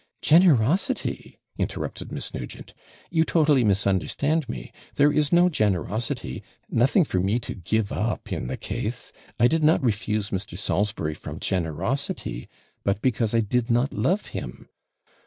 'Generosity?' interrupted Miss Nugent; 'you totally misunderstand me; there is no generosity, nothing for me to give up in the case. I did not refuse Mr. Salisbury from generosity, but because I did not love him.